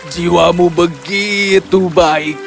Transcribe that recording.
jiwamu begitu baik